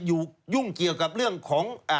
ยุ่งเกี่ยวกับเรื่องของ